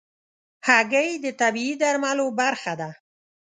هګۍ د طبيعي درملو برخه ده.